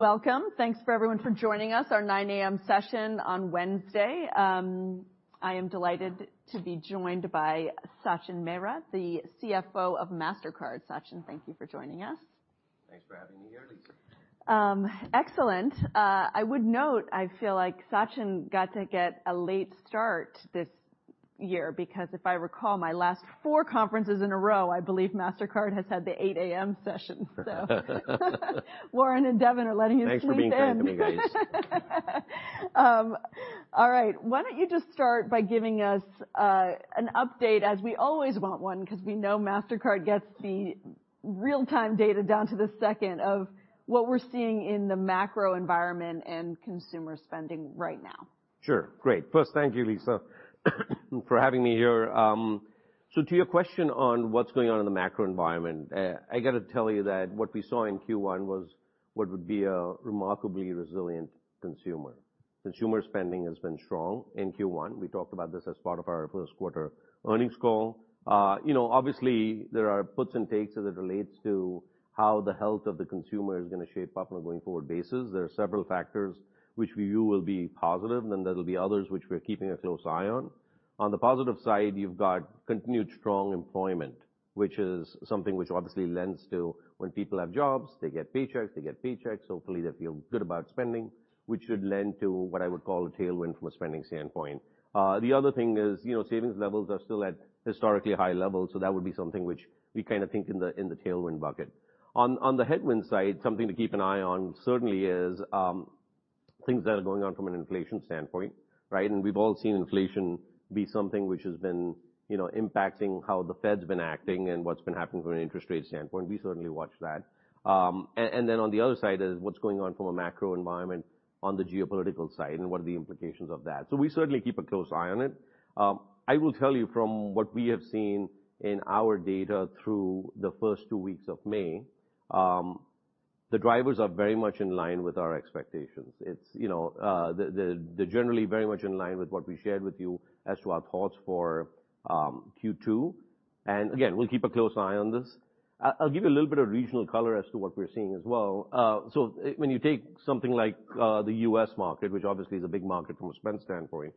Welcome. Thanks for everyone for joining us, our 9:00 A.M. session on Wednesday. I am delighted to be joined by Sachin Mehra, the CFO of Mastercard. Sachin, thank you for joining us. Thanks for having me here, Lisa. Excellent. I would note I feel like Sachin got to get a late start this year, because if I recall, my last four conferences in a row, I believe Mastercard has had the 8:00 A.M. session. Warren and Devin are letting you sleep in. Thanks for being welcoming guys. All right. Why don't you just start by giving us an update as we always want one, 'cause we know Mastercard gets the real-time data down to the second of what we're seeing in the macro environment and consumer spending right now. Sure. Great. First, thank you, Lisa for having me here. To your question on what's going on in the macro environment, I gotta tell you that what we saw in Q1 was what would be a remarkably resilient consumer. Consumer spending has been strong in Q1. We talked about this as part of our first quarter earnings call. Obviously, there are puts and takes as it relates to how the health of the consumer is gonna shape up on a going forward basis. There are several factors which we view will be positive, and then there'll be others which we're keeping a close eye on. On the positive side, you've got continued strong employment, which is something which obviously lends to when people have jobs, they get paychecks, hopefully they feel good about spending, which should lend to what I would call a tailwind from a spending standpoint. The other thing is, you know, savings levels are still at historically high levels, so that would be something which we kinda think in the, in the tailwind bucket. On the headwind side, something to keep an eye on certainly is things that are going on from an inflation standpoint, right? We've all seen inflation be something which has been, you know, impacting how the Fed's been acting and what's been happening from an interest rate standpoint. We certainly watch that. On the other side is what's going on from a macro environment on the geopolitical side, and what are the implications of that. We certainly keep a close eye on it. I will tell you from what we have seen in our data through the first two weeks of May, the drivers are very much in line with our expectations. It's you know, they're generally very much in line with what we shared with you as to our thoughts for Q2. Again, we'll keep a close eye on this. I'll give you a little bit of regional color as to what we're seeing as well. When you take something like the U.S. market, which obviously is a big market from a spend standpoint,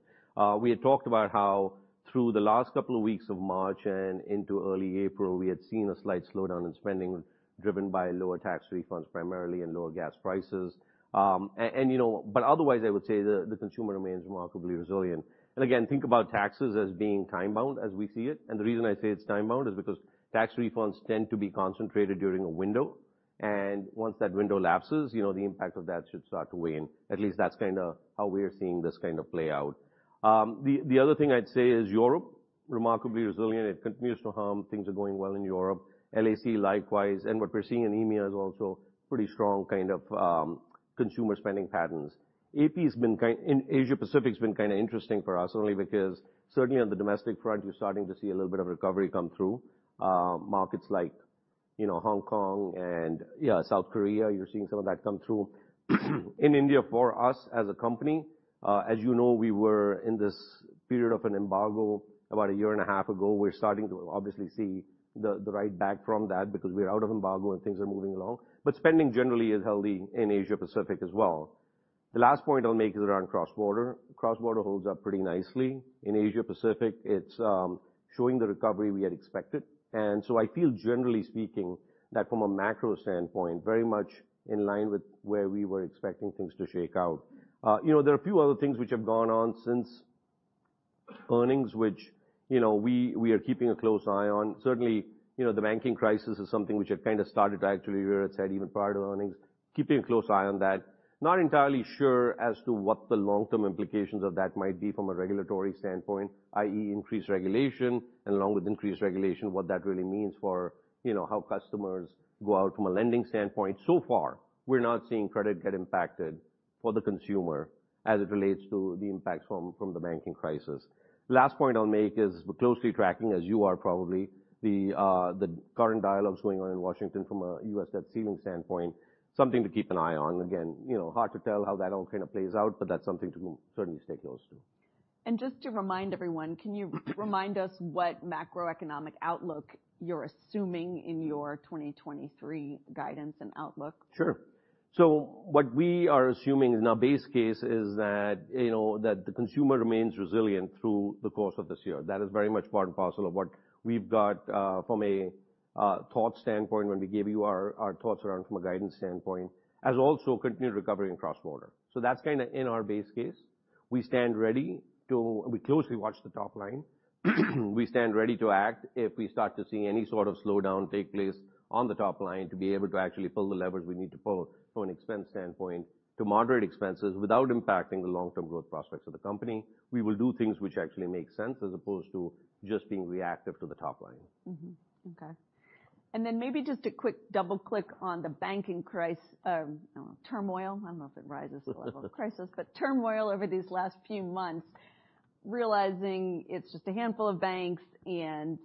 we had talked about how through the last couple of weeks of March and into early April, we had seen a slight slowdown in spending driven by lower tax refunds primarily and lower gas prices. You know, but otherwise, I would say the consumer remains remarkably resilient. Again, think about taxes as being time-bound as we see it, and the reason I say it's time-bound is because tax refunds tend to be concentrated during a window, and once that window lapses, you know, the impact of that should start to wane. At least that's kinda how we're seeing this kind of play out. The, the other thing I'd say is Europe, remarkably resilient. It continues to hum, Things are going well in Europe. LAC, likewise. What we're seeing in EMEA is also pretty strong kind of consumer spending patterns. Asia Pacific's been kind of interesting for us only because certainly on the domestic front, you're starting to see a little bit of recovery come through. Markets like, you know, Hong Kong and yeah, South Korea, you're seeing some of that come through. In India, for us as a company, as you know, we were in this period of an embargo about a year and a half ago. We're starting to obviously see the ride back from that because we're out of embargo and things are moving along. Spending generally is healthy in Asia Pacific as well. The last point I'll make is around cross-border. Cross-border holds up pretty nicely. In Asia Pacific, it's showing the recovery we had expected. I feel generally speaking that from a macro standpoint, very much in line with where we were expecting things to shake out. You know, there are a few other things which have gone on since earnings, which, you know, we are keeping a close eye on. Certainly, you know, the banking crisis is something which had kinda started actually even prior to earnings. Keeping a close eye on that. Not entirely sure as to what the long-term implications of that might be from a regulatory standpoint, i.e., increased regulation, and along with increased regulation, what that really means for, you know, how customers go out from a lending standpoint. So far, we're not seeing credit get impacted for the consumer as it relates to the impacts from the banking crisis. Last point I'll make is we're closely tracking, as you are probably, the current dialogues going on in Washington from a U.S. debt ceiling standpoint. Something to keep an eye on. You know, hard to tell how that all kinda plays out, but that's something to certainly stay close to. Just to remind everyone, can you remind us what macroeconomic outlook you're assuming in your 2023 guidance and outlook? Sure. What we are assuming in our base case is that, you know, that the consumer remains resilient through the course of this year. That is very much part and parcel of what we've got from a thought standpoint when we gave you our thoughts around from a guidance standpoint, as also continued recovery in cross-border. That's kinda in our base case. We closely watch the top line. We stand ready to act if we start to see any sort of slowdown take place on the top line to be able to actually pull the levers we need to pull from an expense standpoint to moderate expenses without impacting the long-term growth prospects of the company. We will do things which actually make sense as opposed to just being reactive to the top line. Okay. Then maybe just a quick double click on the banking crisis turmoil. I don't know if it rises to the level of crisis. Turmoil over these last few months, realizing it's just a handful of banks and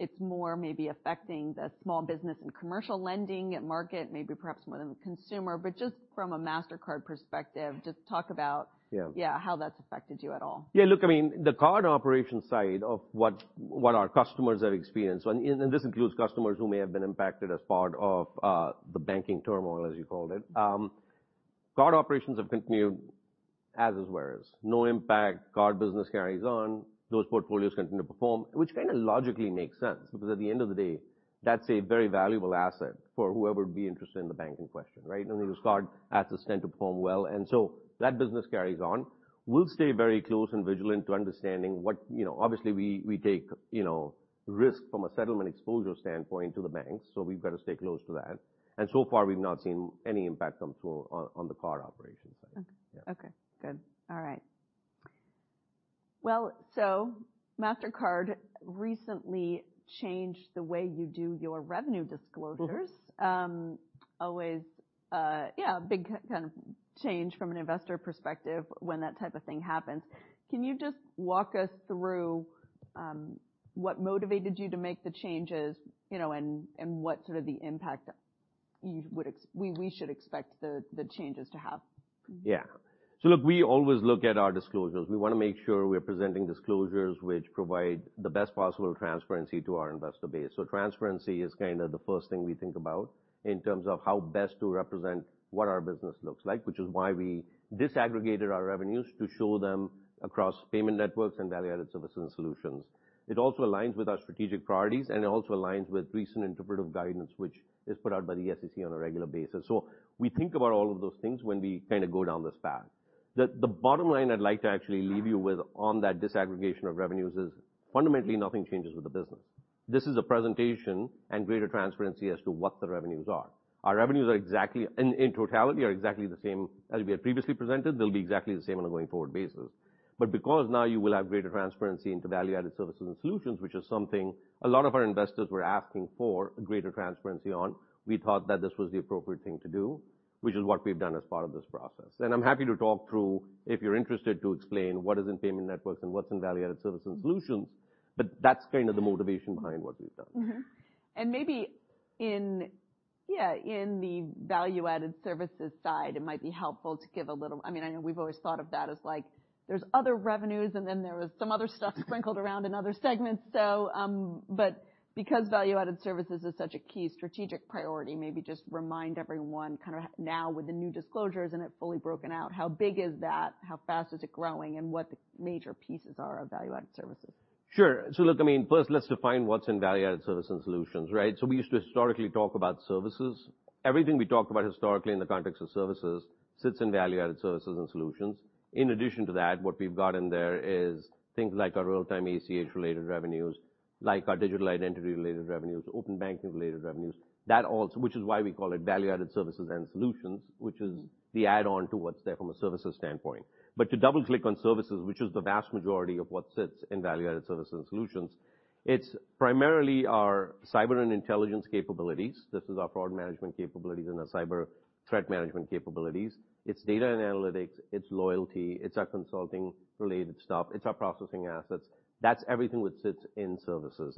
it's more maybe affecting the small business and commercial lending market, maybe perhaps more than the consumer, just from a Mastercard perspective, just talk about. Yeah. Yeah, how that's affected you at all. Yeah. Look, I mean, the card operations side of what our customers have experienced, and this includes customers who may have been impacted as part of the banking turmoil, as you called it. Card operations have continued as is whereas. No impact. Card business carries on. Those portfolios continue to perform, which kind of logically makes sense because at the end of the day, that's a very valuable asset for whoever would be interested in the bank in question, right? I mean, those card assets tend to perform well, and so that business carries on. We'll stay very close and vigilant to understanding what, you know. Obviously we take, you know, risk from a settlement exposure standpoint to the banks, so we've got to stay close to that. So far we've not seen any impact come through on the card operations side. Okay. Yeah. Okay. Good. All right. Well, Mastercard recently changed the way you do your revenue disclosures. Always, yeah, a big kind of change from an investor perspective when that type of thing happens. Can you just walk us through what motivated you to make the changes, you know, and what sort of the impact we should expect the changes to have? Yeah. Look, we always look at our disclosures. We wanna make sure we're presenting disclosures which provide the best possible transparency to our investor base. Transparency is kinda the first thing we think about in terms of how best to represent what our business looks like, which is why we disaggregated our revenues to show them across payment networks and value-added services and solutions. It also aligns with our strategic priorities, and it also aligns with recent interpretive guidance, which is put out by the SEC on a regular basis. We think about all of those things when we kinda go down this path. The bottom line I'd like to actually leave you with on that disaggregation of revenues is fundamentally nothing changes with the business. This is a presentation and greater transparency as to what the revenues are. Our revenues are exactly. In totality, are exactly the same as we had previously presented. They'll be exactly the same on a going forward basis. Because now you will have greater transparency into value-added services and solutions, which is something a lot of our investors were asking for greater transparency on, we thought that this was the appropriate thing to do, which is what we've done as part of this process. I'm happy to talk through, if you're interested, to explain what is in payment networks and what's in value-added service and solutions, but that's kind of the motivation behind what we've done. Maybe in, yeah, in the value-added services side it might be helpful to give a little. I mean, I know we've always thought of that as like there's other revenues and then there was some other stuff sprinkled around in other segments. Because value-added services is such a key strategic priority, maybe just remind everyone kinda now with the new disclosures and it fully broken out, how big is that? How fast is it growing and what the major pieces are of value-added services. Sure. Look, I mean, first let's define what's in value-added service and solutions, right? We used to historically talk about services. Everything we talked about historically in the context of services sits in value-added services and solutions. In addition to that, what we've got in there is things like our real-time ACH related revenues, like our digital identity related revenues, open banking related revenues. Which is why we call it value-added services and solutions, which is the add-on to what's there from a services standpoint. To double-click on services, which is the vast majority of what sits in value-added services and solutions, it's primarily our Cyber and Intelligence capabilities. This is our fraud management capabilities and our cyber threat management capabilities. It's data and analytics, it's loyalty, it's our consulting related stuff, it's our processing assets. That's everything which sits in services.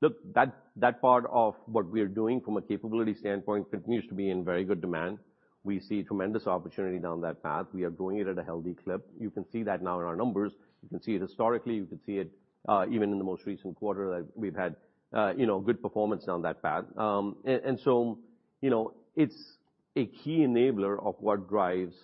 Look, that part of what we are doing from a capability standpoint continues to be in very good demand. We see tremendous opportunity down that path. We are growing it at a healthy clip. You can see that now in our numbers. You can see it historically. You can see it even in the most recent quarter that we've had, you know, good performance down that path. You know, it's a key enabler of what drives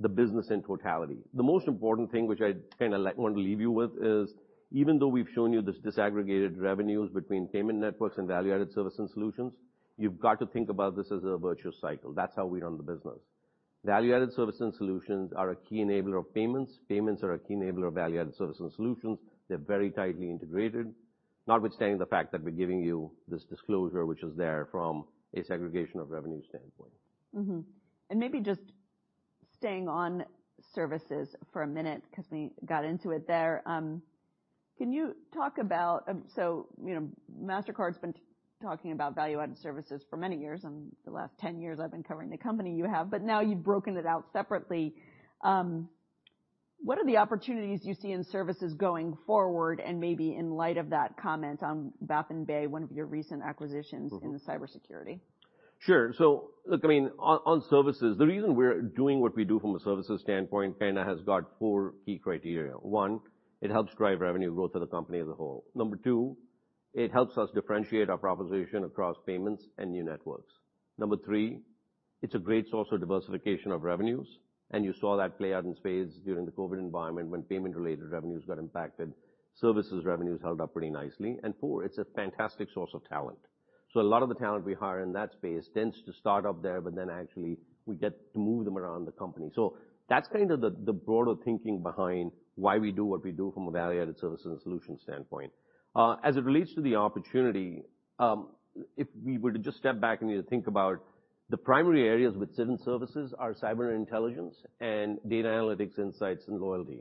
the business in totality. The most important thing which I kinda want to leave you with is even though we've shown you this disaggregated revenues between payment networks and value-added service and solutions, you've got to think about this as a virtuous cycle. That's how we run the business. Value-added service and solutions are a key enabler of payments. Payments are a key enabler of value-added service and solutions. They're very tightly integrated, notwithstanding the fact that we're giving you this disclosure which is there from a segregation of revenue standpoint. Maybe just staying on services for a minute because we got into it there. Can you talk about, so, you know, Mastercard's been talking about value-added services for many years, the last 10 years I've been covering the company you have, but now you've broken it out separately. What are the opportunities you see in services going forward? Maybe in light of that comment on Baffin Bay, one of your recent acquisitions. Mm-hmm. In the cybersecurity. Sure. look, I mean on services, the reason we're doing what we do from a services standpoint kinda has got four key criteria. One, it helps drive revenue growth of the company as a whole. Number two, it helps us differentiate our proposition across payments and new networks. Number three, it's a great source of diversification of revenues, and you saw that play out in space during the COVID environment when payment-related revenues got impacted. Services revenues held up pretty nicely. Four, it's a fantastic source of talent. a lot of the talent we hire in that space tends to start up there, but then actually we get to move them around the company. that's kind of the broader thinking behind why we do what we do from a value-added services and solutions standpoint. As it relates to the opportunity, if we were to just step back and you think about the primary areas within services are cyber intelligence and data analytics, insights and loyalty.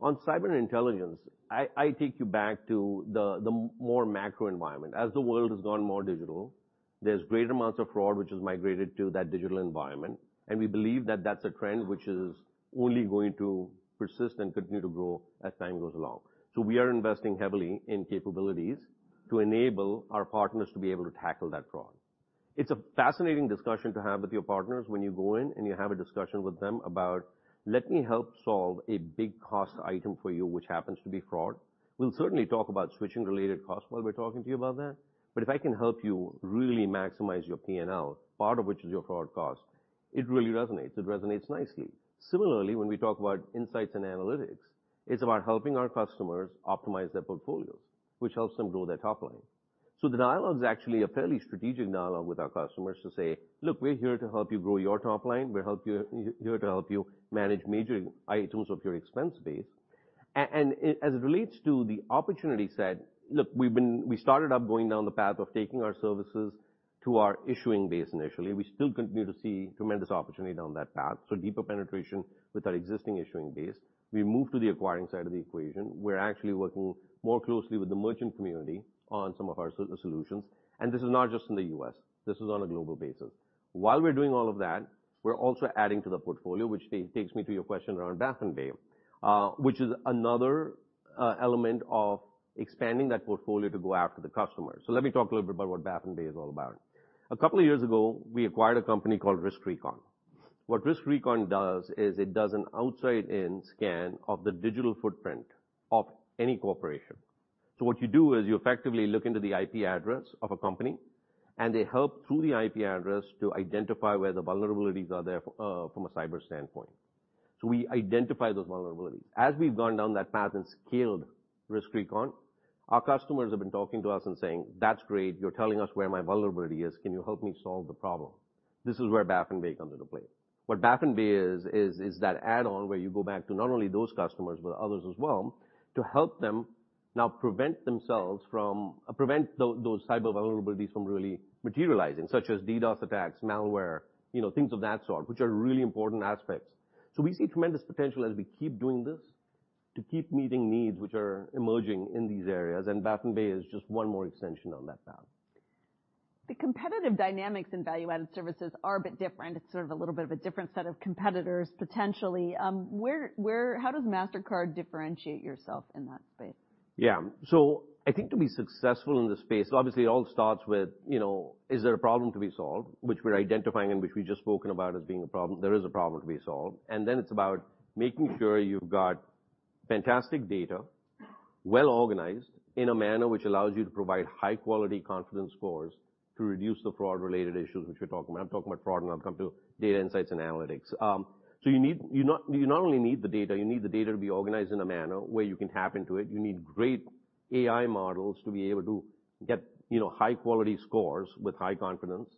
On cyber intelligence, I take you back to the more macro environment. As the world has gone more digital, there's greater amounts of fraud which has migrated to that digital environment, and we believe that that's a trend which is only going to persist and continue to grow as time goes along. We are investing heavily in capabilities to enable our partners to be able to tackle that fraud. It's a fascinating discussion to have with your partners when you go in and you have a discussion with them about let me help solve a big cost item for you, which happens to be fraud. We'll certainly talk about switching related costs while we're talking to you about that. If I can help you really maximize your P&L, part of which is your fraud cost, it really resonates. It resonates nicely. Similarly, when we talk about insights and analytics, it's about helping our customers optimize their portfolios, which helps them grow their top line. The dialogue is actually a fairly strategic dialogue with our customers to say, "Look, we're here to help you grow your top line. We're here to help you manage major items of your expense base." As it relates to the opportunity set, look, we started up going down the path of taking our services to our issuing base initially. We still continue to see tremendous opportunity down that path. Deeper penetration with our existing issuing base. We moved to the acquiring side of the equation. We're actually working more closely with the merchant community on some of our so-solutions, and this is not just in the U.S., this is on a global basis. While we're doing all of that, we're also adding to the portfolio, which takes me to your question around Baffin Bay, which is another element of expanding that portfolio to go after the customer. Let me talk a little bit about what Baffin Bay is all about. Two years ago, we acquired a company called RiskRecon. What RiskRecon does is it does an outside-in scan of the digital footprint of any corporation. What you do is you effectively look into the IP address of a company, and they help through the IP address to identify where the vulnerabilities are there from a cyber standpoint. We identify those vulnerabilities. As we've gone down that path and scaled RiskRecon, our customers have been talking to us and saying, "That's great. You're telling us where my vulnerability is. Can you help me solve the problem?" This is where Baffin Bay comes into play. What Baffin Bay is that add-on where you go back to not only those customers, but others as well, to help them now prevent those cyber vulnerabilities from really materializing, such as DDoS attacks, malware, you know, things of that sort, which are really important aspects. We see tremendous potential as we keep doing this to keep meeting needs which are emerging in these areas. Baffin Bay is just one more extension on that path. The competitive dynamics in value-added services are a bit different. It's sort of a little bit of a different set of competitors, potentially. How does Mastercard differentiate yourself in that space? Yeah. I think to be successful in this space, obviously it all starts with, you know, is there a problem to be solved? Which we're identifying and which we've just spoken about as being a problem. There is a problem to be solved. Then it's about making sure you've got fantastic data, well organized in a manner which allows you to provide high-quality confidence scores to reduce the fraud related issues which we're talking about. I'm talking about fraud, and I'll come to data insights and analytics. You not only need the data, you need the data to be organized in a manner where you can tap into it. You need great AI models to be able to get, you know, high-quality scores with high confidence.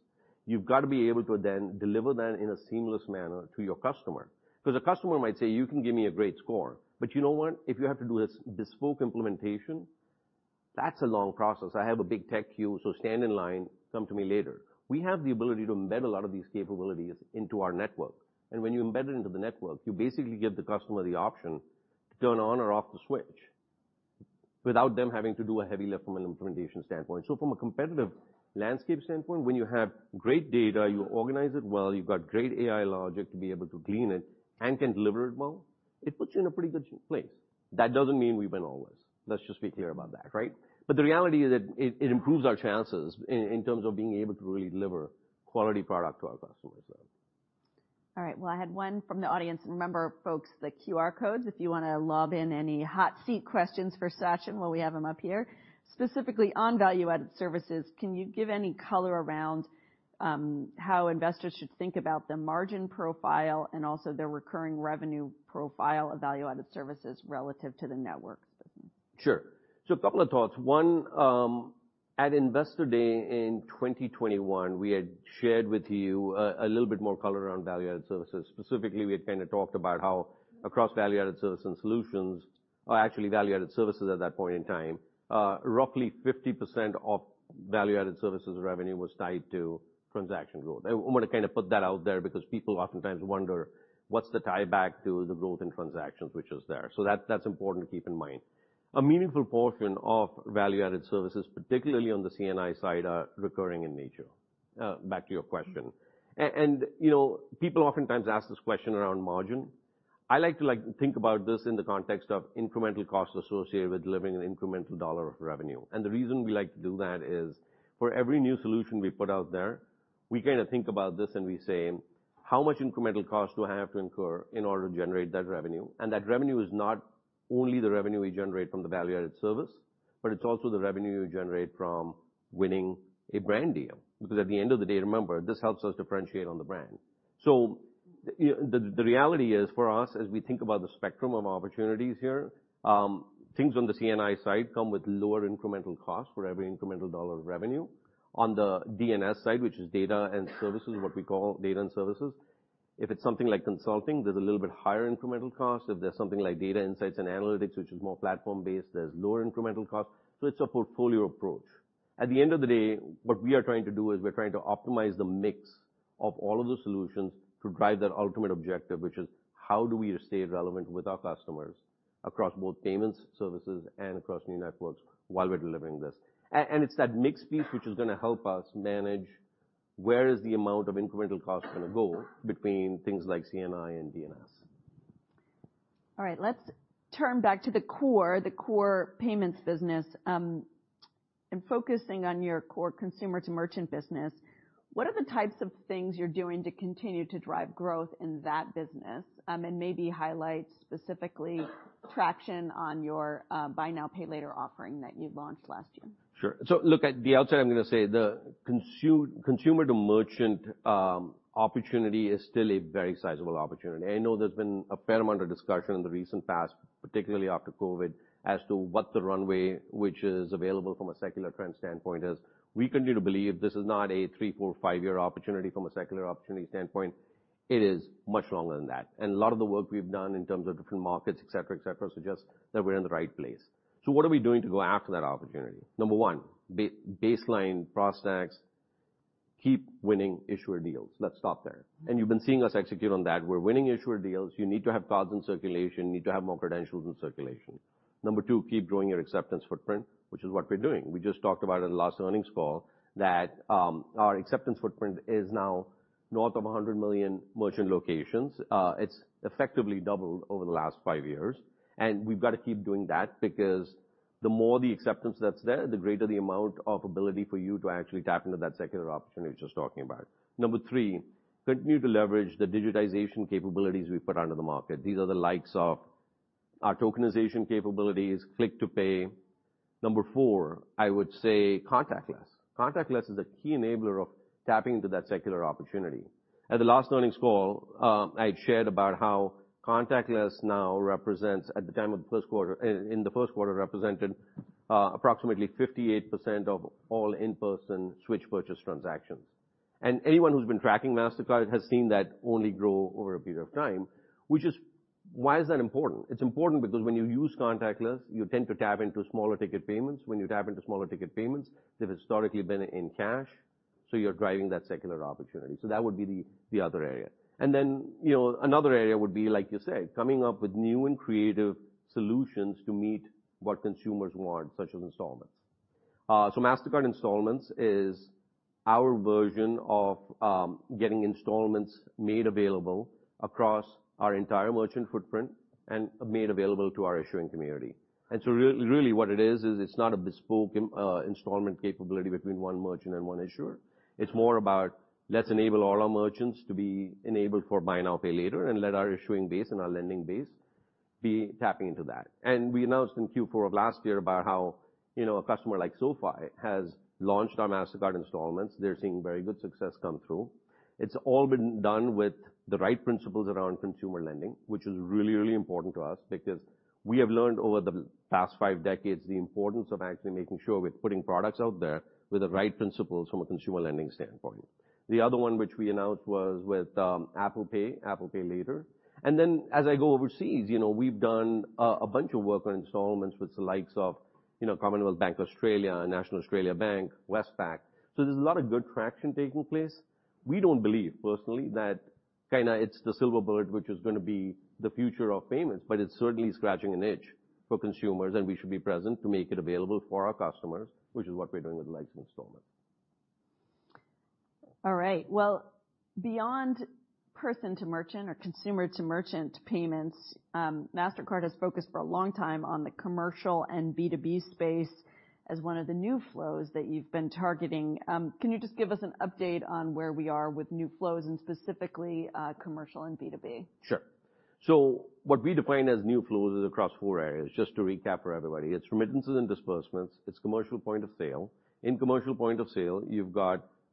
You've got to be able to then deliver that in a seamless manner to your customer. 'Cause a customer might say, "You can give me a great score, but you know what? If you have to do a bespoke implementation, that's a long process. I have a big tech queue, so stand in line, come to me later." We have the ability to embed a lot of these capabilities into our network, and when you embed it into the network, you basically give the customer the option to turn on or off the switch without them having to do a heavy lift from an implementation standpoint. From a competitive landscape standpoint, when you have great data, you organize it well, you've got great AI logic to be able to clean it and can deliver it well, it puts you in a pretty good place. That doesn't mean we win always. Let's just be clear about that, right? The reality is that it improves our chances in terms of being able to really deliver quality product to our customers, so. All right. Well, I had one from the audience. Remember, folks, the QR codes if you wanna lob in any hot seat questions for Sachin while we have him up here. Specifically on value-added services, can you give any color around how investors should think about the margin profile and also the recurring revenue profile of value-added services relative to the networks? Sure. A couple of thoughts. One, at Investor Day in 2021, we had shared with you a little bit more color around value-added services. Specifically, we had kinda talked about how across value-added services and solutions or actually value-added services at that point in time, roughly 50% of value-added services revenue was tied to transaction growth. I wanna kinda put that out there because people oftentimes wonder what's the tie back to the growth in transactions, which is there. That's important to keep in mind. A meaningful portion of value-added services, particularly on the C&I side, are recurring in nature. Back to your question. You know, people oftentimes ask this question around margin. I like to think about this in the context of incremental costs associated with delivering an incremental dollar of revenue. The reason we like to do that is for every new solution we put out there, we kind of think about this and we say, "How much incremental cost do I have to incur in order to generate that revenue?" That revenue is not only the revenue we generate from the value-added service, but it's also the revenue you generate from winning a brand deal. At the end of the day, remember, this helps us differentiate on the brand. The reality is for us, as we think about the spectrum of opportunities here, things on the C&I side come with lower incremental cost for every incremental dollar of revenue. On the D&S side, which is data and services, what we call data and services, if it's something like consulting, there's a little bit higher incremental cost. If there's something like data insights and analytics, which is more platform-based, there's lower incremental cost. It's a portfolio approach. At the end of the day, what we are trying to do is we're trying to optimize the mix of all of the solutions to drive that ultimate objective, which is how do we stay relevant with our customers across both payments, services, and across new networks while we're delivering this. And it's that mix piece which is gonna help us manage where is the amount of incremental cost gonna go between things like C&I and D&S. All right, let's turn back to the core payments business. In focusing on your core consumer-to-merchant business, what are the types of things you're doing to continue to drive growth in that business? Maybe highlight specifically traction on your buy now, pay later offering that you launched last year. Sure. Look, at the outset, I'm gonna say the consumer to merchant opportunity is still a very sizable opportunity. I know there's been a fair amount of discussion in the recent past, particularly after COVID, as to what the runway which is available from a secular trend standpoint is. We continue to believe this is not a three, four, five-year opportunity from a secular opportunity standpoint. It is much longer than that. A lot of the work we've done in terms of different markets, et cetera, et cetera, suggests that we're in the right place. What are we doing to go after that opportunity? Number one, baseline Process keep winning issuer deals. Let's stop there. You've been seeing us execute on that. We're winning issuer deals. You need to have cards in circulation. You need to have more credentials in circulation. Number two, keep growing your acceptance footprint, which is what we're doing. We just talked about it in the last earnings call that our acceptance footprint is now north of 100 million merchant locations. It's effectively doubled over the last five years. We've got to keep doing that because the more the acceptance that's there, the greater the amount of ability for you to actually tap into that secular opportunity I was just talking about. Number three, continue to leverage the digitization capabilities we put out into the market. These are the likes of our tokenization capabilities, Click to Pay. Number four, I would say contactless. Contactless is a key enabler of tapping into that secular opportunity. At the last earnings call, I'd shared about how contactless now represents, in the first quarter, represented approximately 58% of all in-person switch purchase transactions. Anyone who's been tracking Mastercard has seen that only grow over a period of time, which is... Why is that important? It's important because when you use contactless, you tend to tap into smaller ticket payments. When you tap into smaller ticket payments, they've historically been in cash, so you're driving that secular opportunity. That would be the other area. You know, another area would be, like you say, coming up with new and creative solutions to meet what consumers want, such as installments. Mastercard Installments is our version of getting installments made available across our entire merchant footprint and made available to our issuing community. Really what it is it's not a bespoke installment capability between one merchant and one issuer. It's more about let's enable all our merchants to be enabled for buy now, pay later and let our issuing base and our lending base be tapping into that. We announced in Q4 of last year about how, you know, a customer like SoFi has launched our Mastercard Installments. They're seeing very good success come through. It's all been done with the right principles around consumer lending, which is really, really important to us because we have learned over the past five decades the importance of actually making sure we're putting products out there with the right principles from a consumer lending standpoint. The other one which we announced was with Apple Pay, Apple Pay Later. As I go overseas, you know, we've done a bunch of work on installments with the likes of, you know, Commonwealth Bank of Australia, National Australia Bank, Westpac. There's a lot of good traction taking place. We don't believe personally that kinda it's the silver bullet which is gonna be the future of payments, but it's certainly scratching an itch for consumers, and we should be present to make it available for our customers, which is what we're doing with the likes of installments. Well, beyond person to merchant or consumer to merchant payments, Mastercard has focused for a long time on the commercial and B2B space as one of the new flows that you've been targeting. Can you just give us an update on where we are with new flows and specifically, commercial and B2B? Sure. What we define as new flows is across four areas. Just to recap for everybody. It's remittances and disbursements. It's commercial point of sale. In commercial point of sale, you've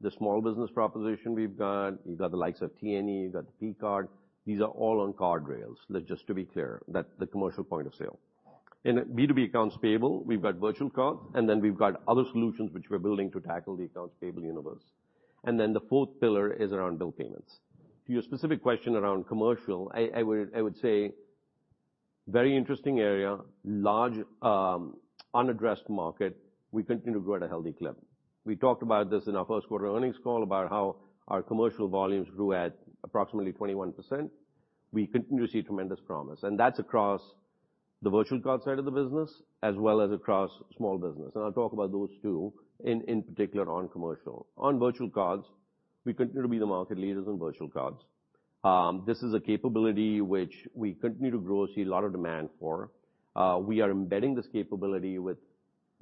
got the small business proposition we've got. You've got the likes of T&E. You've got the P-card. These are all on card rails. Let's just to be clear that the commercial point of sale. In B2B accounts payable, we've got virtual cards, and then we've got other solutions which we're building to tackle the accounts payable universe. The fourth pillar is around bill payments. To your specific question around commercial, I would say very interesting area, large, unaddressed market. We continue to grow at a healthy clip. We talked about this in our 1st quarter earnings call about how our commercial volumes grew at approximately 21%. We continue to see tremendous promise, that's across the virtual card side of the business as well as across small business. I'll talk about those two in particular on commercial. On virtual cards, we continue to be the market leaders in virtual cards. This is a capability which we continue to grow, see a lot of demand for. We are embedding this capability with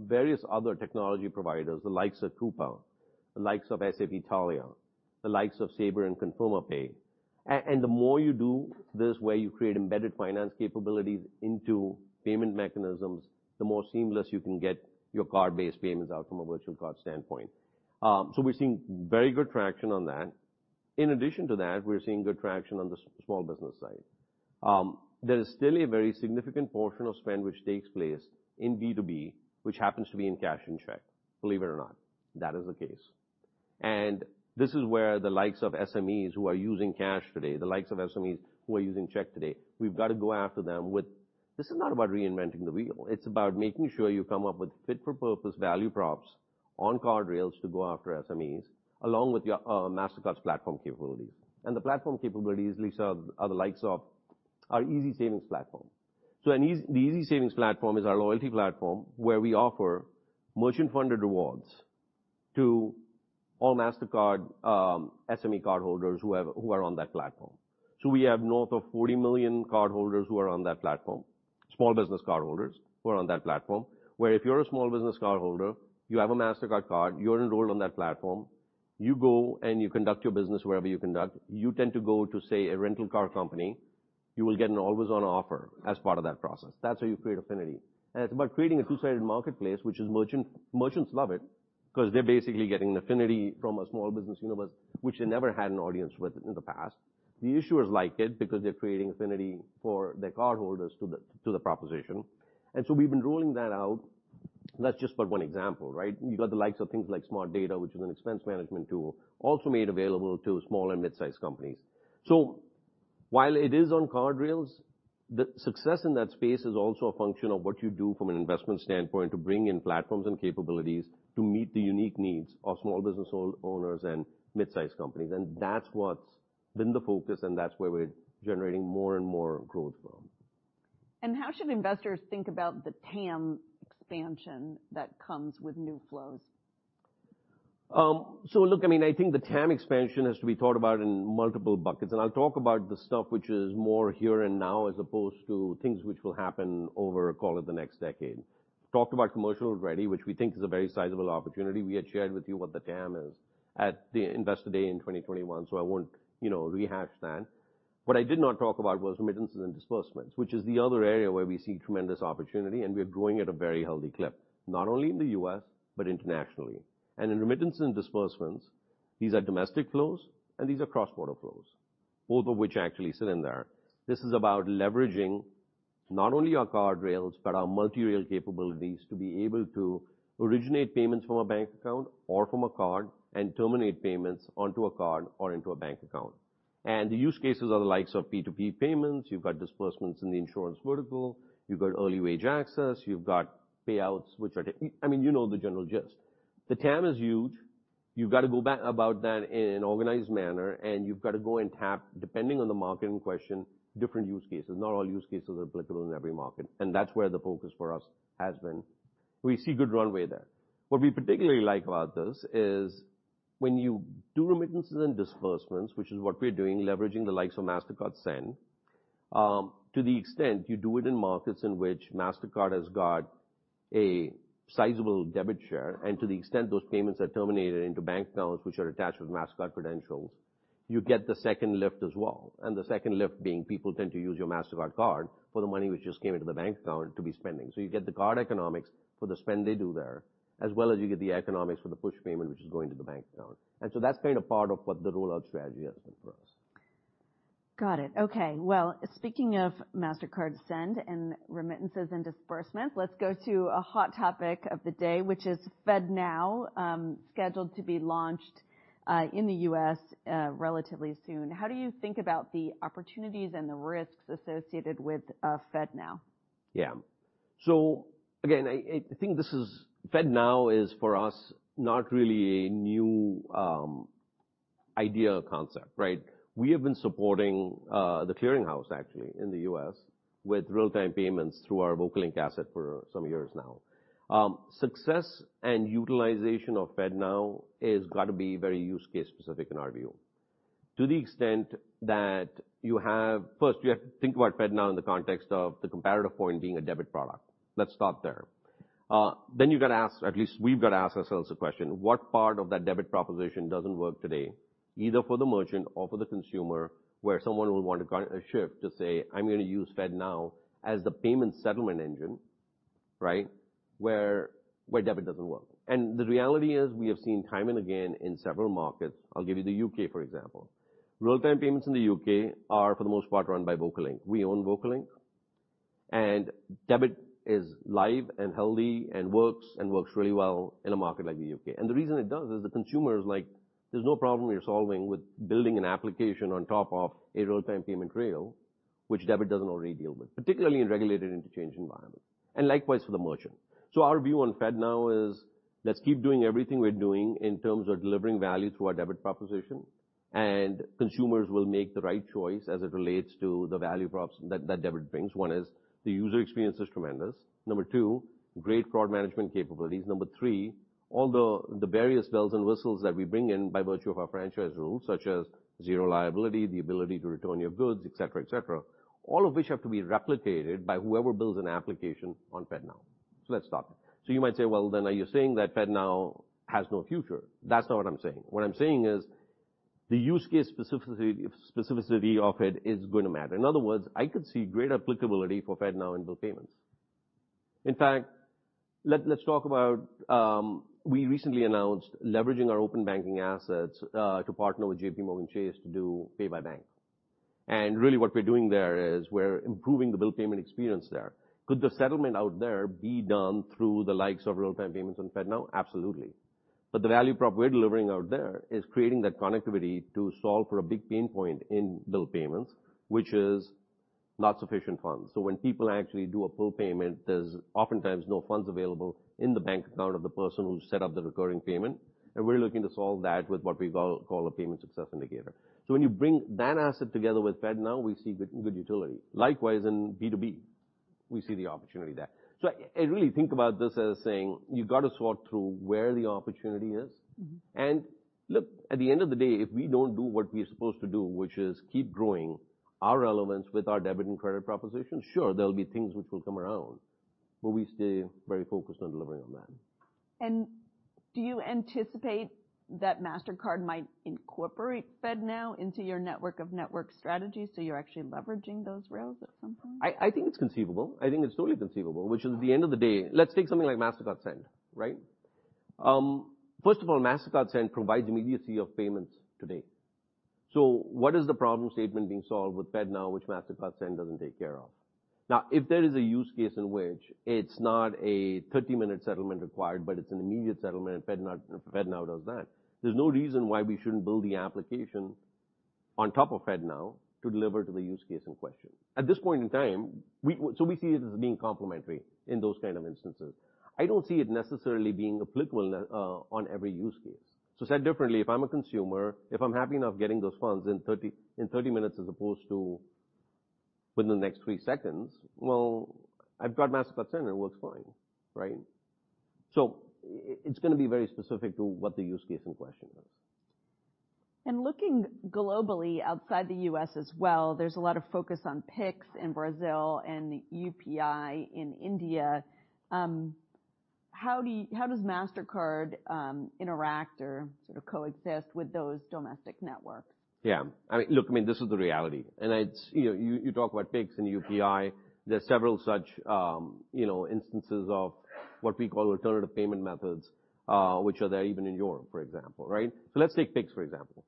various other technology providers, the likes of Coupa, the likes of SAP Taulia, the likes of Sabre and Conferma Pay. The more you do this, where you create embedded finance capabilities into payment mechanisms, the more seamless you can get your card-based payments out from a virtual card standpoint. We're seeing very good traction on that. In addition to that, we're seeing good traction on the small business side. There is still a very significant portion of spend which takes place in B2B, which happens to be in cash and check. Believe it or not, that is the case. This is where the likes of SMEs who are using cash today, the likes of SMEs who are using check today, we've got to go after them with. This is not about reinventing the wheel. It's about making sure you come up with fit-for-purpose value props on card rails to go after SMEs, along with your Mastercard's platform capabilities. The platform capabilities, Lisa, are the likes of our Easy Savings platform. The Easy Savings platform is our loyalty platform where we offer merchant-funded rewards to all Mastercard SME cardholders who are on that platform. We have north of 40 million cardholders who are on that platform, small business cardholders who are on that platform, where if you're a small business cardholder, you have a Mastercard card, you're enrolled on that platform, you go and you conduct your business wherever you conduct. You tend to go to, say, a rental car company, you will get an always-on offer as part of that process. That's how you create affinity. It's about creating a two-sided marketplace, which is merchant. Merchants love it because they're basically getting an affinity from a small business universe, which they never had an audience with in the past. The issuers like it because they're creating affinity for their cardholders to the proposition. We've been rolling that out. That's just but one example, right? You got the likes of things like Smart Data, which is an expense management tool, also made available to small and mid-sized companies. While it is on card rails, the success in that space is also a function of what you do from an investment standpoint to bring in platforms and capabilities to meet the unique needs of small business hold-owners and mid-sized companies. That's what's been the focus, and that's where we're generating more and more growth from. How should investors think about the TAM expansion that comes with new flows? Look, I mean, I think the TAM expansion has to be thought about in multiple buckets, and I'll talk about the stuff which is more here and now, as opposed to things which will happen over, call it, the next decade. Talked about commercial already, which we think is a very sizable opportunity. We had shared with you what the TAM is at the Investor Day in 2021, so I won't, you know, rehash that. What I did not talk about was remittances and disbursements, which is the other area where we see tremendous opportunity, and we're growing at a very healthy clip, not only in the U.S., but internationally. In remittance and disbursements, these are domestic flows, and these are cross-border flows, both of which actually sit in there. This is about leveraging not only our card rails, but our multi-rail capabilities to be able to originate payments from a bank account or from a card and terminate payments onto a card or into a bank account. The use cases are the likes of P2P payments. You've got disbursements in the insurance vertical. You've got early wage access. You've got payouts, which are I mean, you know the general gist. The TAM is huge. You've got to go about that in an organized manner, and you've got to go and tap, depending on the market in question, different use cases. Not all use cases are applicable in every market, and that's where the focus for us has been. We see good runway there. What we particularly like about this is when you do remittances and disbursements, which is what we're doing, leveraging the likes of Mastercard Send, to the extent you do it in markets in which Mastercard has got a sizable debit share, and to the extent those payments are terminated into bank accounts which are attached with Mastercard credentials, you get the second lift as well. The second lift being people tend to use your Mastercard card for the money which just came into the bank account to be spending. You get the card economics for the spend they do there, as well as you get the economics for the push payment which is going to the bank account. That's kind of part of what the rollout strategy has been for us. Got it. Okay. Well, speaking of Mastercard Send and remittances and disbursements, let's go to a hot topic of the day, which is FedNow, scheduled to be launched in the U.S. relatively soon. How do you think about the opportunities and the risks associated with FedNow? Yeah. Again, FedNow is for us not really a new idea or concept, right? We have been supporting The Clearing House actually in the U.S. with real-time payments through our Vocalink asset for some years now. Success and utilization of FedNow has got to be very use case specific in our view. First, you have to think about FedNow in the context of the comparative point being a debit product. Let's start there. You've got to ask, at least we've got to ask ourselves the question: What part of that debit proposition doesn't work today, either for the merchant or for the consumer, where someone will want to shift to say, "I'm gonna use FedNow as the payment settlement engine," right? Where debit doesn't work. The reality is, we have seen time and again in several markets, I'll give you the U.K., for example. Real-time payments in the U.K. are, for the most part, run by Vocalink. We own Vocalink, and debit is live and healthy and works, and works really well in a market like the U.K. The reason it does is the consumer is like, there's no problem you're solving with building an application on top of a real-time payment rail which debit doesn't already deal with, particularly in regulated interchange environments, and likewise for the merchant. Our view on FedNow is let's keep doing everything we're doing in terms of delivering value through our debit proposition, and consumers will make the right choice as it relates to the value props that debit brings. One is the user experience is tremendous. Number two, great fraud management capabilities. Number three, all the various bells and whistles that we bring in by virtue of our franchise rules, such as zero liability, the ability to return your goods, et cetera, et cetera, all of which have to be replicated by whoever builds an application on FedNow. Let's start there. You might say, "Well, then are you saying that FedNow has no future?" That's not what I'm saying. What I'm saying is the use case specificity of it is gonna matter. In other words, I could see great applicability for FedNow in bill payments. In fact, let's talk about, we recently announced leveraging our open banking assets to partner with J.P. Morgan Chase to do Pay by Bank. Really what we're doing there is we're improving the bill payment experience there. Could the settlement out there be done through the likes of real-time payments on FedNow? Absolutely. The value prop we're delivering out there is creating that connectivity to solve for a big pain point in bill payments, which is not sufficient funds. When people actually do a bill payment, there's oftentimes no funds available in the bank account of the person who set up the recurring payment, and we're looking to solve that with what we call a Payment Success Indicator. When you bring that asset together with FedNow, we see good utility. Likewise in B2B. We see the opportunity there. I really think about this as saying you've got to sort through where the opportunity is. Mm-hmm. Look, at the end of the day, if we don't do what we're supposed to do, which is keep growing our relevance with our debit and credit proposition, sure, there'll be things which will come around, but we stay very focused on delivering on that. Do you anticipate that Mastercard might incorporate FedNow into your network of network strategies, so you're actually leveraging those rails at some point? I think it's conceivable. I think it's totally conceivable, which is the end of the day. Let's take something like Mastercard Send, right? First of all, Mastercard Send provides immediacy of payments today. What is the problem statement being solved with FedNow, which Mastercard Send doesn't take care of? If there is a use case in which it's not a 30-minute settlement required, but it's an immediate settlement, FedNow does that, there's no reason why we shouldn't build the application on top of FedNow to deliver to the use case in question. At this point in time, we see it as being complementary in those kind of instances. I don't see it necessarily being applicable on every use case. Said differently, if I'm a consumer, if I'm happy enough getting those funds in 30 minutes as opposed to within the next three seconds, well, I've got Mastercard Send, and it works fine, right? It's gonna be very specific to what the use case in question is. Looking globally outside the U.S. as well, there's a lot of focus on Pix in Brazil and UPI in India. How does Mastercard interact or sort of coexist with those domestic networks? Yeah. I mean, look, I mean, this is the reality, and it's, you know, you talk about Pix and UPI. There's several such, you know, instances of what we call alternative payment methods, which are there even in Europe, for example, right? Let's take Pix, for example.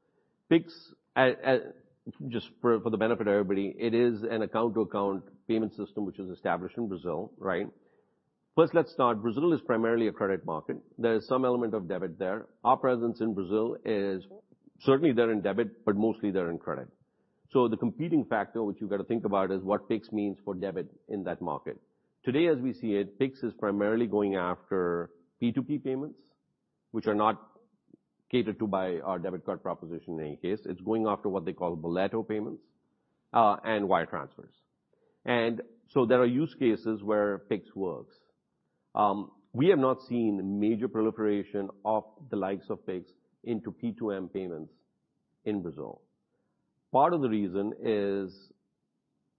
Pix, just for the benefit of everybody, it is an account-to-account payment system which was established in Brazil, right? First, let's start. Brazil is primarily a credit market. There is some element of debit there. Our presence in Brazil is certainly there in debit, but mostly there in credit. The competing factor which you got to think about is what Pix means for debit in that market. Today, as we see it, Pix is primarily going after P2P payments, which are not catered to by our debit card proposition in any case. It's going after what they call boleto payments, and wire transfers. There are use cases where Pix works. We have not seen major proliferation of the likes of Pix into P2M payments in Brazil. Part of the reason is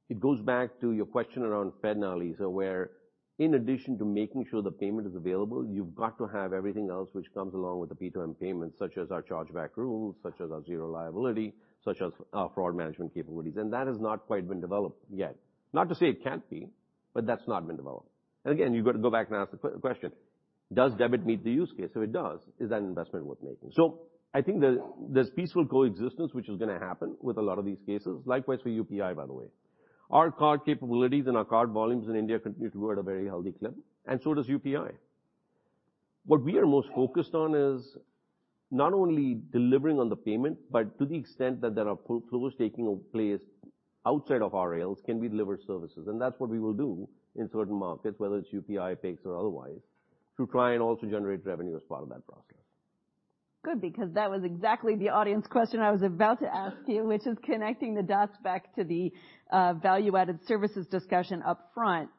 it goes back to your question around FedNow, Lisa, where in addition to making sure the payment is available, you've got to have everything else which comes along with the P2M payments, such as our chargeback rules, such as our zero liability, such as fraud management capabilities. That has not quite been developed yet. Not to say it can't be, but that's not been developed. Again, you've got to go back and ask the question: does debit meet the use case? It does. Is that an investment worth making? I think there's peaceful coexistence, which is gonna happen with a lot of these cases. Likewise for UPI, by the way. Our card capabilities and our card volumes in India continue to grow at a very healthy clip, and so does UPI. What we are most focused on is not only delivering on the payment, but to the extent that there are flows taking place outside of our rails, can we deliver services? That's what we will do in certain markets, whether it's UPI, Pix or otherwise, to try and also generate revenue as part of that process. Good, because that was exactly the audience question I was about to ask you, which is connecting the dots back to the value-added services discussion up front.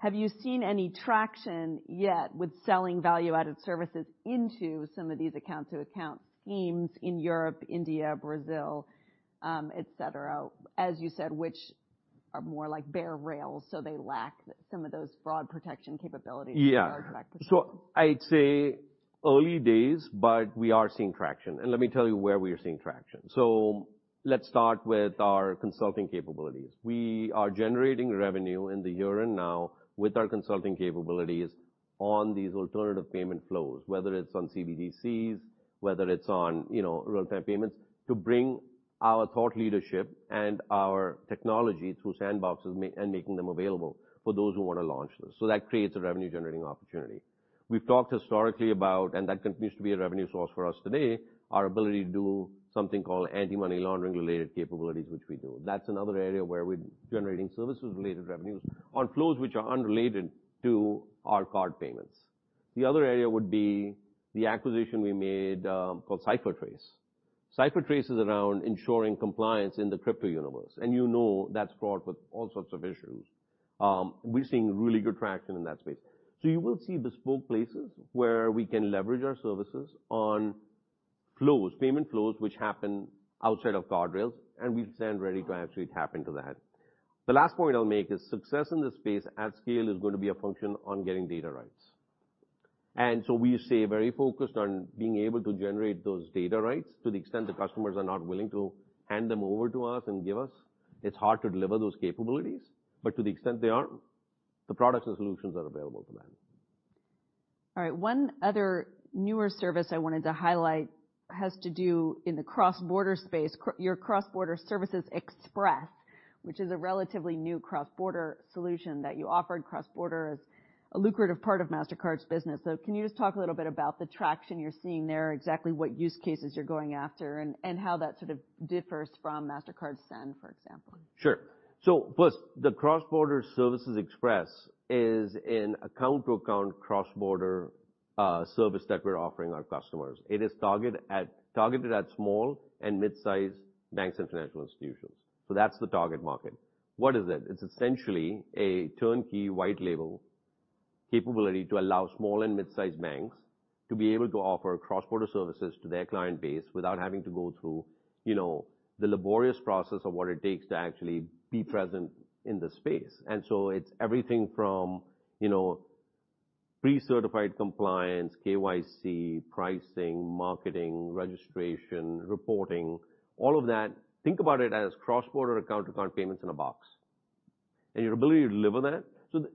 Have you seen any traction yet with selling value-added services into some of these account-to-account schemes in Europe, India, Brazil, et cetera, as you said, which are more like bare rails, so they lack some of those fraud protection capabilities. Yeah. Chargeback protection? I'd say early days, but we are seeing traction, and let me tell you where we are seeing traction. Let's start with our consulting capabilities. We are generating revenue in the year end now with our consulting capabilities on these alternative payment flows, whether it's on CBDCs, whether it's on, you know, real-time payments, to bring our thought leadership and our technology through sandboxes and making them available for those who want to launch this. That creates a revenue generating opportunity. We've talked historically about, and that continues to be a revenue source for us today, our ability to do something called anti-money laundering related capabilities, which we do. That's another area where we're generating services related revenues on flows which are unrelated to our card payments. The other area would be the acquisition we made, called CipherTrace. CipherTrace is around ensuring compliance in the crypto universe, and you know that's fraught with all sorts of issues. We're seeing really good traction in that space. You will see bespoke places where we can leverage our services on flows, payment flows, which happen outside of card rails, and we stand ready to actually tap into that. The last point I'll make is success in this space at scale is going to be a function on getting data rights. We stay very focused on being able to generate those data rights. To the extent the customers are not willing to hand them over to us and give us, it's hard to deliver those capabilities, but to the extent they are, the products and solutions are available to them. All right. One other newer service I wanted to highlight has to do in the cross-border space, your Cross-Border Services Express, which is a relatively new cross-border solution that you offer. Cross-border is a lucrative part of Mastercard's business. Can you just talk a little bit about the traction you're seeing there, exactly what use cases you're going after and how that sort of differs from Mastercard Send, for example? Sure. First, the Cross-Border Services Express is an account-to-account cross-border service that we're offering our customers. It is targeted at small and mid-size banks and financial institutions, that's the target market. What is it? It's essentially a turnkey white-label capability to allow small and mid-sized banks to be able to offer cross-border services to their client base without having to go through, you know, the laborious process of what it takes to actually be present in the space. It's everything from, you know, pre-certified compliance, KYC, pricing, marketing, registration, reporting, all of that. Think about it as cross-border account-to-account payments in a box. Your ability to deliver that.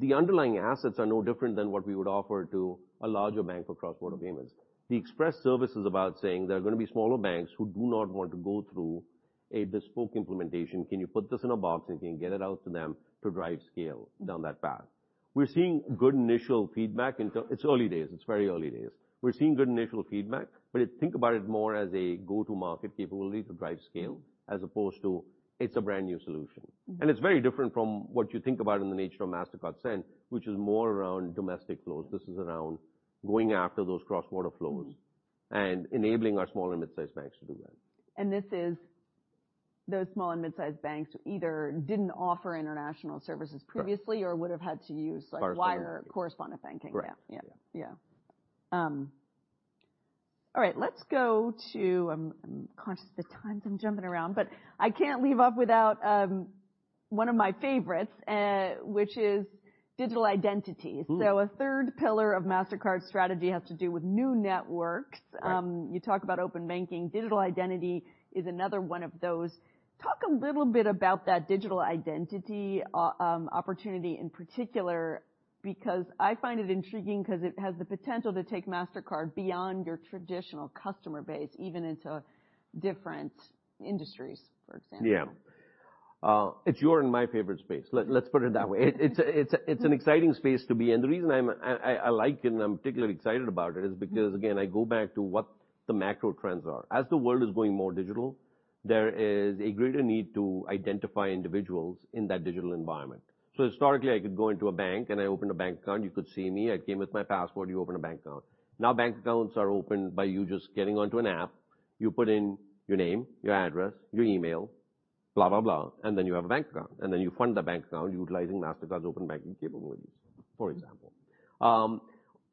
The underlying assets are no different than what we would offer to a larger bank for cross-border payments. The Express Service is about saying there are gonna be smaller banks who do not want to go through a bespoke implementation. Can you put this in a box, and can you get it out to them to drive scale down that path? We're seeing good initial feedback. It's early days. It's very early days. We're seeing good initial feedback, but think about it more as a go-to-market capability to drive scale as opposed to it's a brand-new solution. Mm-hmm. It's very different from what you think about in the nature of Mastercard Send, which is more around domestic flows. This is around going after those cross-border flows. Mm-hmm. Enabling our small and mid-sized banks to do that. This is those small and mid-sized banks who either didn't offer international services previously. Correct. Or would've had to use, like. Far superior. Wire correspondent banking. Correct. Yeah. Yeah. Yeah. All right, let's go to. I'm conscious of the time, so I'm jumping around, but I can't leave off without one of my favorites, which is digital identity. Mm. A third pillar of Mastercard's strategy has to do with new networks. Right. You talk about open banking. Digital identity is another one of those. Talk a little bit about that digital identity opportunity in particular, because I find it intriguing 'cause it has the potential to take Mastercard beyond your traditional customer base, even into different industries, for example. Yeah. It's your and my favorite space. Let's put it that way. It's an exciting space to be in. The reason I like and I'm particularly excited about it is because, again, I go back to what the macro trends are. As the world is going more digital, there is a greater need to identify individuals in that digital environment. Historically, I could go into a bank, and I opened a bank account. You could see me. I came with my passport. You open a bank account. Now bank accounts are opened by you just getting onto an app. You put in your name, your address, your email, blah, blah, and then you have a bank account. Then you fund the bank account utilizing Mastercard's open banking capabilities, for example.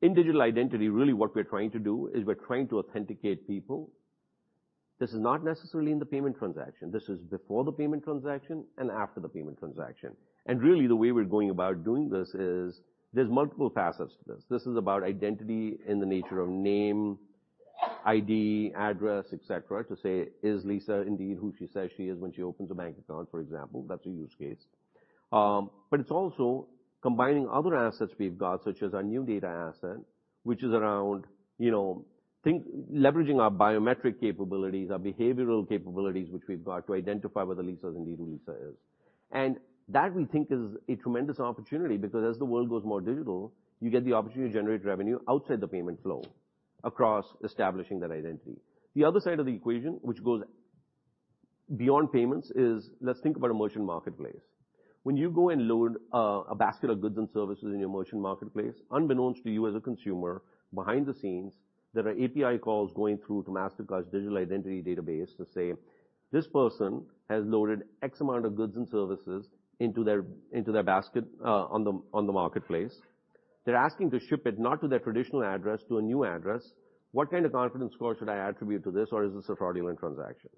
In digital identity, really what we're trying to do is we're trying to authenticate people. This is not necessarily in the payment transaction. This is before the payment transaction and after the payment transaction. Really, the way we're going about doing this is there's multiple facets to this. This is about identity in the nature of name, ID, address, et cetera, to say, is Lisa indeed who she says she is when she opens a bank account, for example. That's a use case. It's also combining other assets we've got, such as our new data asset, which is around, you know, think leveraging our biometric capabilities, our behavioral capabilities, which we've got to identify whether Lisa is indeed who Lisa is. That we think is a tremendous opportunity because as the world goes more digital, you get the opportunity to generate revenue outside the payment flow across establishing that identity. The other side of the equation, which goes beyond payments, is let's think about a merchant marketplace. When you go and load, a basket of goods and services in your merchant marketplace, unbeknownst to you as a consumer, behind the scenes, there are API calls going through to Mastercard's digital identity database to say, this person has loaded X amount of goods and services into their basket, on the marketplace. They're asking to ship it not to their traditional address, to a new address. What kind of confidence score should I attribute to this, or is this a fraudulent transaction?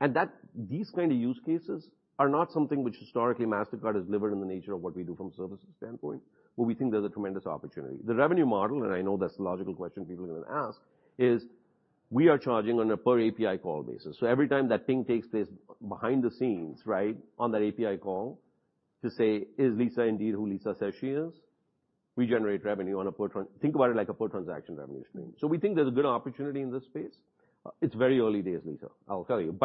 That, these kind of use cases are not something which historically Mastercard has delivered in the nature of what we do from a services standpoint, but we think there's a tremendous opportunity. The revenue model, and I know that's the logical question people are gonna ask, is we are charging on a per API call basis. Every time that ping takes place behind the scenes, right? That API call to say, is Lisa indeed who Lisa says she is, we generate revenue on a per transaction revenue stream. We think there's a good opportunity in this space. It's very early days, Lisa, I'll tell you.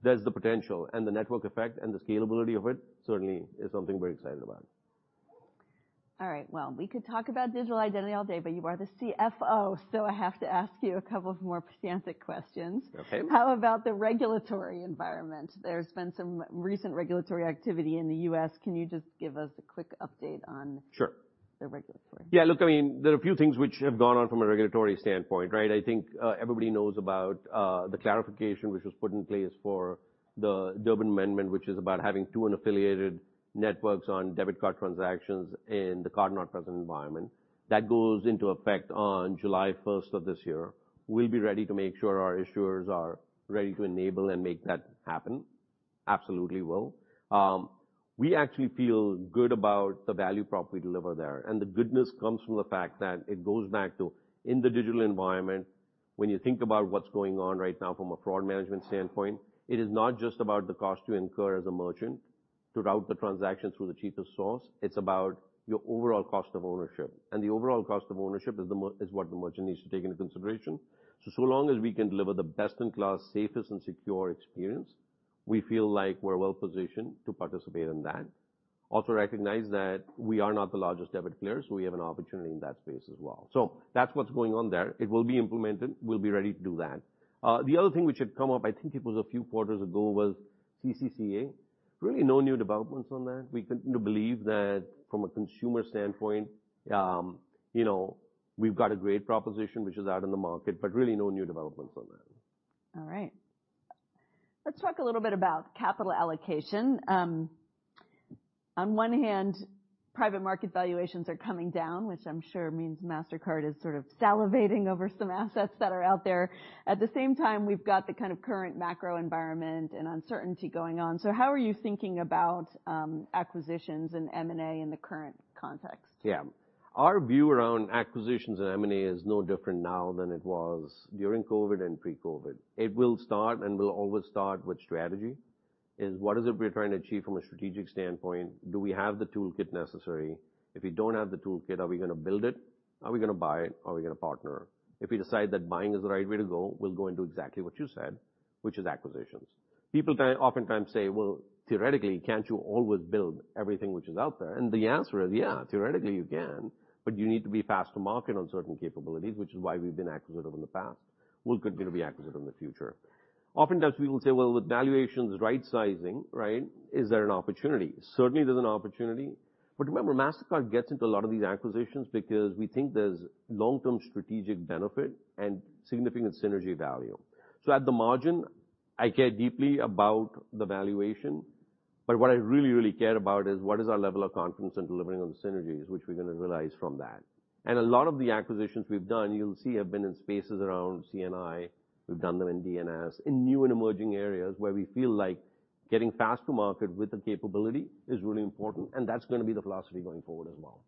There's the potential and the network effect and the scalability of it certainly is something we're excited about. All right, well, we could talk about digital identity all day, but you are the CFO, so I have to ask you a couple of more pedantic questions. Okay. How about the regulatory environment? There's been some recent regulatory activity in the U.S. Can you just give us a quick update? Sure. The regulatory? Yeah, look, I mean, there are a few things which have gone on from a regulatory standpoint, right? I think, everybody knows about the clarification which was put in place for the Durbin Amendment, which is about having two unaffiliated networks on debit card transactions in the card-not-present environment. That goes into effect on July 1st of this year. We'll be ready to make sure our issuers are ready to enable and make that happen. Absolutely will. We actually feel good about the value prop we deliver there, and the goodness comes from the fact that it goes back to in the digital environment, when you think about what's going on right now from a fraud management standpoint, it is not just about the cost to incur as a merchant to route the transaction through the cheapest source, it's about your overall cost of ownership. The overall cost of ownership is what the merchant needs to take into consideration. So long as we can deliver the best-in-class, safest, and secure experience, we feel like we're well positioned to participate in that. Also recognize that we are not the largest debit player, so we have an opportunity in that space as well. That's what's going on there. It will be implemented. We'll be ready to do that. The other thing which had come up, I think it was a few quarters ago, was CCCA. Really no new developments on that. We continue to believe that from a consumer standpoint, you know, we've got a great proposition which is out in the market, but really no new developments on that. All right. Let's talk a little bit about capital allocation. On one hand, private market valuations are coming down, which I'm sure means Mastercard is sort of salivating over some assets that are out there. At the same time, we've got the kind of current macro environment and uncertainty going on. How are you thinking about acquisitions and M&A in the current context? Yeah. Our view around acquisitions and M&A is no different now than it was during COVID and pre-COVID. It will start and will always start with strategy. What is it we're trying to achieve from a strategic standpoint? Do we have the toolkit necessary? If we don't have the toolkit, are we gonna build it? Are we gonna buy it? Are we gonna partner? If we decide that buying is the right way to go, we'll go and do exactly what you said, which is acquisitions. People oftentimes say, "Well, theoretically, can't you always build everything which is out there?" The answer is, yeah, theoretically you can, but you need to be fast to market on certain capabilities, which is why we've been acquisitive in the past. We'll continue to be acquisitive in the future. Oftentimes people will say, "Well, with valuations rightsizing, right, is there an opportunity?" Certainly, there's an opportunity. Remember, Mastercard gets into a lot of these acquisitions because we think there's long-term strategic benefit and significant synergy value. At the margin, I care deeply about the valuation, but what I really, really care about is what is our level of confidence in delivering on the synergies which we're gonna realize from that. A lot of the acquisitions we've done, you'll see have been in spaces around C&I. We've done them in DNS, in new and emerging areas where we feel like getting fast to market with the capability is really important, and that's gonna be the philosophy going forward as well.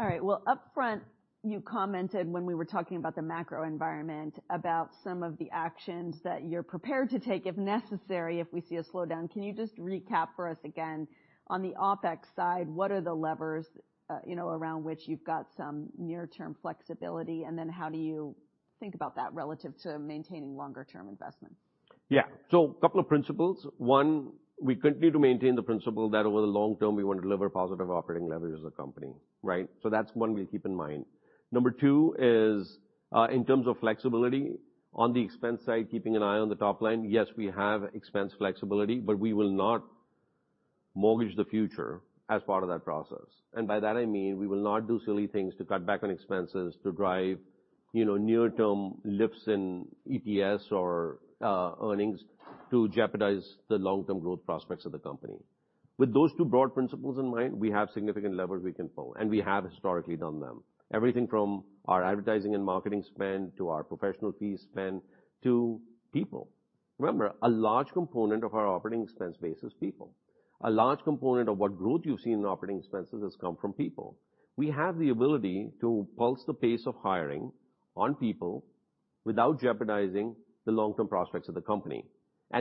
All right. Well, up front, you commented when we were talking about the macro environment about some of the actions that you're prepared to take, if necessary, if we see a slowdown. Can you just recap for us again, on the OpEx side, what are the levers, you know, around which you've got some near-term flexibility, and then how do you think about that relative to maintaining longer-term investments? Couple of principles. One, we continue to maintain the principle that over the long term, we wanna deliver positive operating leverage as a company, right? That's one we'll keep in mind. Number two is, in terms of flexibility on the expense side, keeping an eye on the top line. Yes, we have expense flexibility, but we will not mortgage the future as part of that process. By that, I mean, we will not do silly things to cut back on expenses to drive, you know, near-term lifts in EPS or earnings to jeopardize the long-term growth prospects of the company. With those two broad principles in mind, we have significant levers we can pull, and we have historically done them. Everything from our advertising and marketing spend, to our professional fee spend, to people. Remember, a large component of our operating expense base is people. A large component of what growth you've seen in operating expenses has come from people. We have the ability to pulse the pace of hiring on people without jeopardizing the long-term prospects of the company.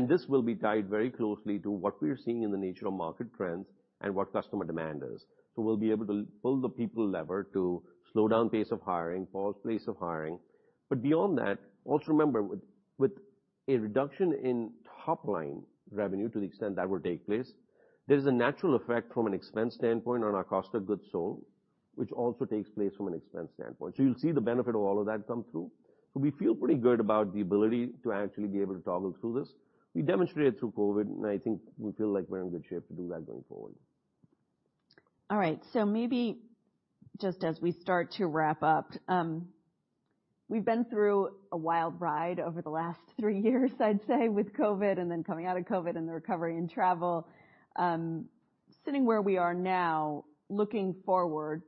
This will be tied very closely to what we're seeing in the nature of market trends and what customer demand is. We'll be able to pull the people lever to slow down pace of hiring, pause pace of hiring. Beyond that, also remember, with a reduction in top-line revenue to the extent that will take place, there is a natural effect from an expense standpoint on our cost of goods sold, which also takes place from an expense standpoint. You'll see the benefit of all of that come through. We feel pretty good about the ability to actually be able to toggle through this. We demonstrated through COVID, and I think we feel like we're in good shape to do that going forward. All right. Maybe just as we start to wrap up, we've been through a wild ride over the last three years, I'd say, with COVID and then coming out of COVID and the recovery in travel. Sitting where we are now, looking forward,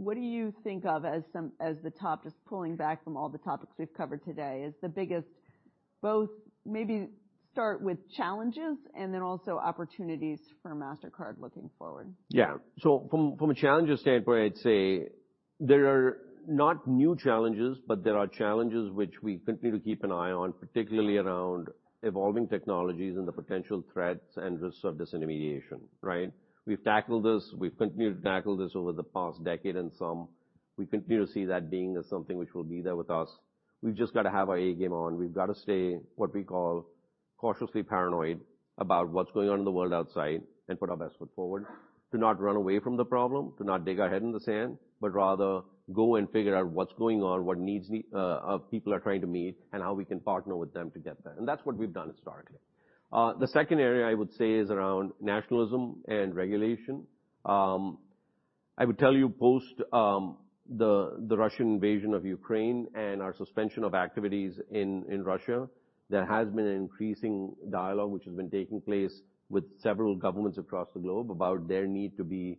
what do you think of as the top, just pulling back from all the topics we've covered today, as the biggest both maybe start with challenges and then also opportunities for Mastercard looking forward? From a challenges standpoint, I'd say there are not new challenges, but there are challenges which we continue to keep an eye on, particularly around evolving technologies and the potential threats and risks of disintermediation, right? We've tackled this, we've continued to tackle this over the past decade and some. We continue to see that being as something which will be there with us. We've just gotta have our A game on. We've gotta stay what we call cautiously paranoid about what's going on in the world outside and put our best foot forward. To not run away from the problem, to not dig our head in the sand, but rather go and figure out what's going on, what needs people are trying to meet, and how we can partner with them to get there. That's what we've done historically. The second area I would say is around nationalism and regulation. I would tell you post the Russian invasion of Ukraine and our suspension of activities in Russia, there has been an increasing dialogue which has been taking place with several governments across the globe about their need to be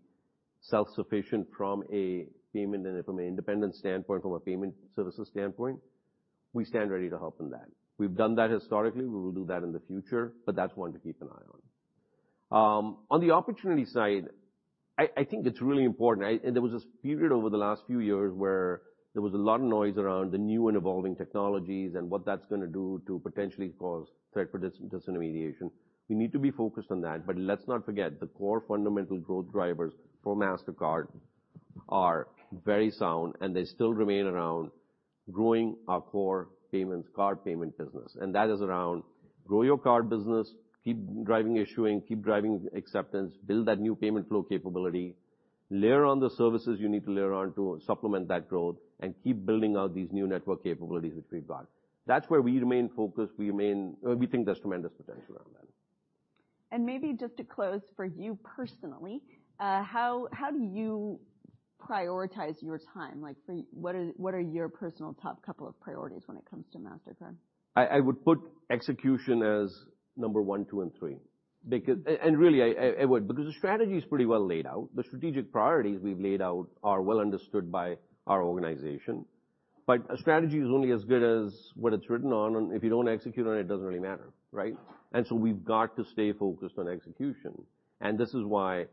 self-sufficient from a payment and from an independent standpoint, from a payment services standpoint. We stand ready to help in that. We've done that historically, we will do that in the future, but that's one to keep an eye on. On the opportunity side, I think it's really important. And there was this period over the last few years where there was a lot of noise around the new and evolving technologies and what that's gonna do to potentially cause threat for disintermediation. We need to be focused on that, but let's not forget, the core fundamental growth drivers for Mastercard are very sound, and they still remain around growing our core payments, card payment business. That is around grow your card business, keep driving issuing, keep driving acceptance, build that new payment flow capability, layer on the services you need to layer on to supplement that growth, and keep building out these new network capabilities which we've got. That's where we remain focused. We think there's tremendous potential around that. Maybe just to close for you personally, how do you prioritize your time? Like for what are your personal top couple of priorities when it comes to Mastercard? I would put execution as number one, two, and three. Really I would because the strategy is pretty well laid out. The strategic priorities we've laid out are well understood by our organization. A strategy is only as good as what it's written on, and if you don't execute on it doesn't really matter, right? We've got to stay focused on execution. This is why,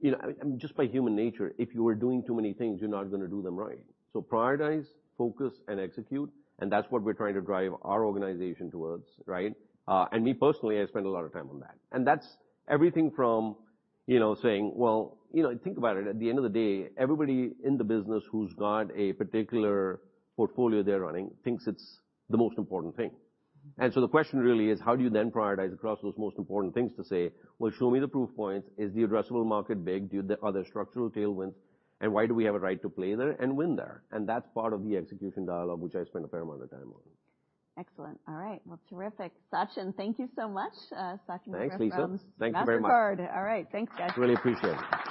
you know, I mean, just by human nature, if you are doing too many things, you're not gonna do them right. Prioritize, focus, and execute, and that's what we're trying to drive our organization towards, right? Me personally, I spend a lot of time on that. That's everything from, you know, saying, well, you know, think about it. At the end of the day, everybody in the business who's got a particular portfolio they're running thinks it's the most important thing. The question really is how do you then prioritize across those most important things to say, "Well, show me the proof points. Is the addressable market big? Are there structural tailwinds, and why do we have a right to play there and win there?" That's part of the execution dialogue, which I spend a fair amount of time on. Excellent. All right. Well, terrific. Sachin, thank you so much. Sachin Mehra. Thanks, Lisa. Thank you very much. Mastercard. All right. Thanks, guys. Really appreciate it.